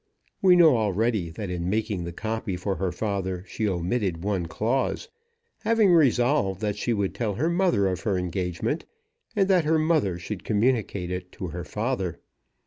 We know already that in making the copy for her father she omitted one clause, having resolved that she would tell her mother of her engagement, and that her mother should communicate it to her father.